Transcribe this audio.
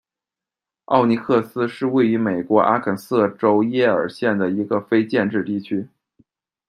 奥尼克斯是位于美国阿肯色州耶尔县的一个非建制地区。